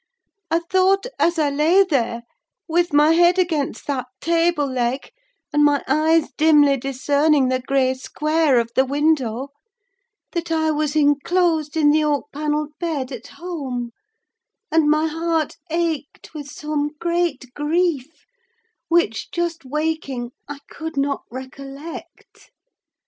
I thought as I lay there, with my head against that table leg, and my eyes dimly discerning the grey square of the window, that I was enclosed in the oak panelled bed at home; and my heart ached with some great grief which, just waking, I could not recollect.